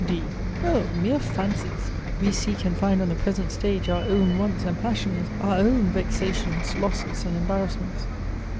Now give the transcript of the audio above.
D. O mere fancies! We seek and find on the present stage our own wants and passions, our own vexations, losses, and embarrassments.